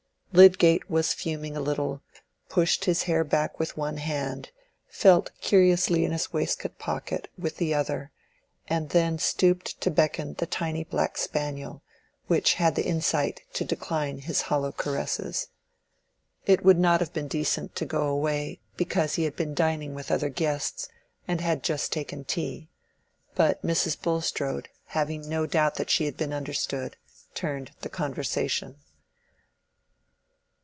Lydgate was fuming a little, pushed his hair back with one hand, felt curiously in his waistcoat pocket with the other, and then stooped to beckon the tiny black spaniel, which had the insight to decline his hollow caresses. It would not have been decent to go away, because he had been dining with other guests, and had just taken tea. But Mrs. Bulstrode, having no doubt that she had been understood, turned the conversation.